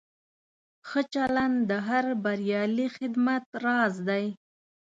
ښه چلند د هر بریالي خدمت راز دی.